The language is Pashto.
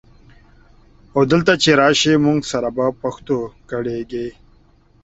او دلته چې راشي موږ سره به په پښتو ګړېیږي؛